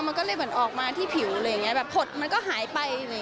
มันก็เลยออกมาที่ผิวแบบผดมันก็หายไป